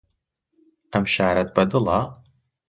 ئەم شارەت بەدڵە؟